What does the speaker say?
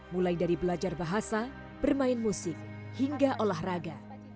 mulai dari belajar bahasa bermain musik hingga olahraga